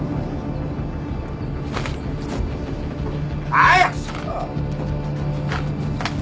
早くしろ！